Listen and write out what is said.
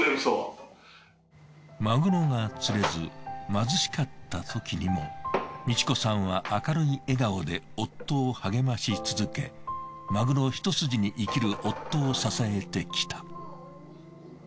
マグロが釣れず貧しかったときにも美智子さんは明るい笑顔で夫を励まし続けマグロひと筋に生きる夫を支えてきた。